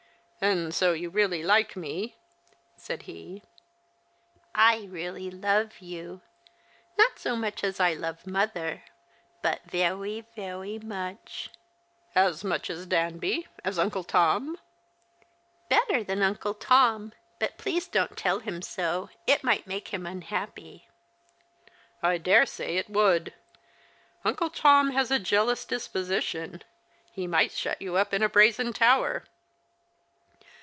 " And so you really like me ?" said he. " I reallv love you. Not so much as I love mother, but veway, veway much." " As much as Danby — as Uncle Tom ?"" Better than Uncle Tom ; but please don't tell him so. It might make him unhappy." " I dare say it would. Uncle Tom has a jealous dis position. He might shut you up in a brazen tower."